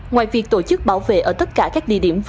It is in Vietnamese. ngoài việc tổ chức bảo vệ ở tất cả các địa điểm vui